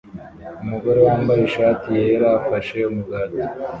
Umugore wambaye ishati yera afashe umugati